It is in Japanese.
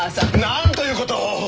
なんということを！